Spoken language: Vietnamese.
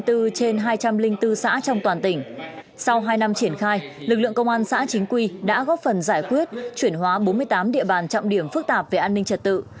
trên hai trăm linh bốn xã trong hai năm triển khai lực lượng công an xã chính quy đã góp phần giải quyết chuyển hóa bốn mươi tám địa bàn trọng điểm phức tạp về an ninh trật tự